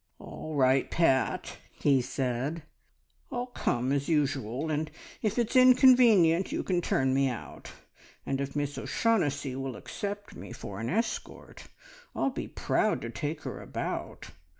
"All right, Pat," he said. "I'll come as usual, and if it's inconvenient you can turn me out; and if Miss O'Shaughnessy will accept me for an escort I'll be proud to take her about.